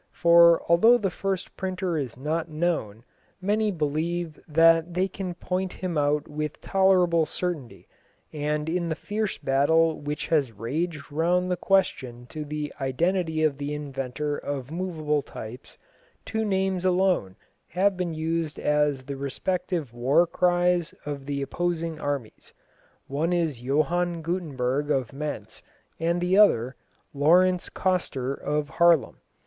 For although the first printer is not known, many believe that they can point him out with tolerable certainty, and in the fierce battle which has raged round the question of the identity of the inventor of moveable types, two names alone have been used as the respective war cries of the opposing armies. One is Johann Gutenberg of Mentz, and the other, Laurenz Coster of Haarlem.